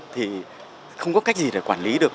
thì không có cách gì để quản lý được